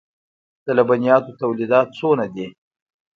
د لبنیاتو تولیدات څومره دي؟